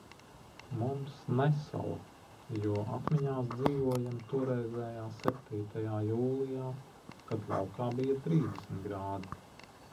Mums nesala, jo atmiņās dzīvojam toreizējā septītajā jūlijā, kad laukā bija trīsdesmit grādi.